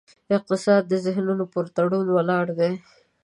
اقتصاد د ذهنونو پر تړون ولاړ دی.